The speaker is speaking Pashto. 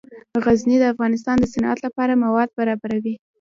غزني د افغانستان د صنعت لپاره مواد برابروي.